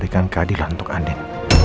keadilan untuk adik